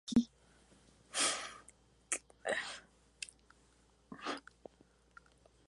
Cada familia conocía la que le correspondía.